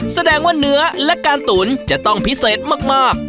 แสดงว่าเนื้อและการตุ๋นจะต้องพิเศษมาก